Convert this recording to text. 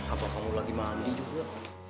apa kamu lagi mandi juga